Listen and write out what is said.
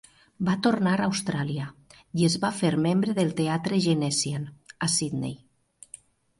Va tornar a Austràlia i es va fer membre del teatre Genesian, a Sidney.